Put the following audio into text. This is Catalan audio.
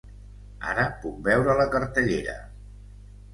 Ara puc veure la cartellera.